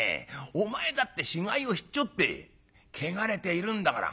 お前だって死骸をひっちょって汚れているんだから。